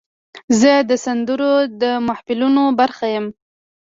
زه د سندرو د محفلونو برخه یم.